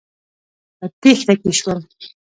په تېښته کې شول.